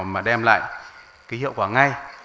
mà đem lại cái hiệu quả ngay